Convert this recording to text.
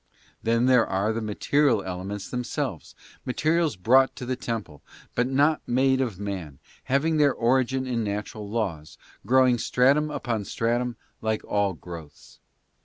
Then there are the material elements themselves, materials brought to the temple, but not made of man, having their origin in natural laws, grow ing stratum upon stratum, like all growths.